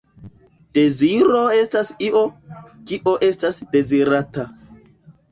Deziro estas io, kio estas dezirata.